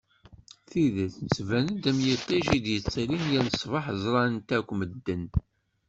Tidet tban-d am yiṭij i d-yettḍillin yal ṣṣbeḥ ẓran-t akk medden.